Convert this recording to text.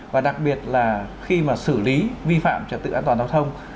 và đặc biệt là khi mà xử lý vi phạm trật tự an toàn giao thông